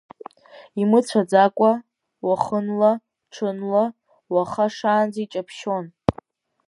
Имыцәаӡакәа, уахынла, ҽынла, уаха шаанӡа иҷаԥшьон.